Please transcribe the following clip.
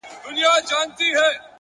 علم د ناپوهۍ زنجیر ماتوي.!